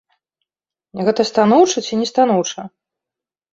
Гэта станоўча ці не станоўча?